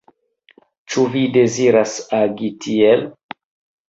Ĉu vi deziras agi tiel?